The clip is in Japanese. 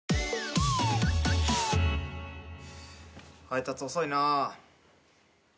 配達遅いな。